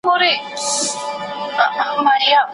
هر یو سیوری د رباب نغمې ته دام سو